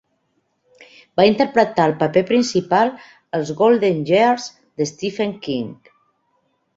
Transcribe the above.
Va interpretar el paper principal als "Golden Years" de Stephen King.